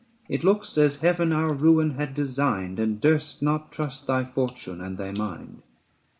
It looks as Heaven our ruin had designed, And durst not trust thy fortune and thy mind.